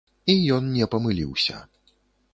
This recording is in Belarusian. І ён не памыліўся.